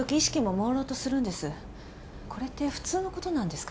これって普通の事なんですか？